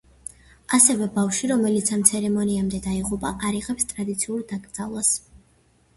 ასევე, ბავშვი, რომელიც ამ ცერემონიამდე დაიღუპება, არ იღებს ტრადიციულ დაკრძალვას.